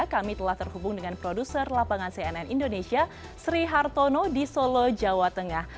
kami telah terhubung dengan produser lapangan cnn indonesia sri hartono di solo jawa tengah